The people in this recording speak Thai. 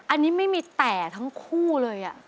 อันนี้ไม่มีแต่ทั้งคู่เลย